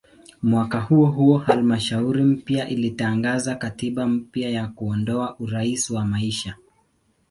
Mwaka huohuo halmashauri mpya ilitangaza katiba mpya na kuondoa "urais wa maisha".